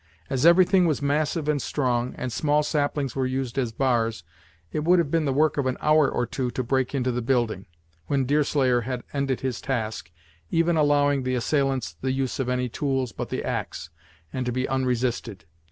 As everything was massive and strong, and small saplings were used as bars, it would have been the work of an hour or two to break into the building, when Deerslayer had ended his task, even allowing the assailants the use of any tools but the axe, and to be unresisted.